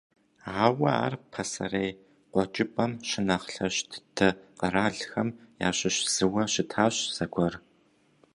Ауэ ар пасэрей Къуэкӏыпӏэм щынэхъ лъэщ дыдэ къэралхэм ящыщ зыуэ щытащ зэгуэр.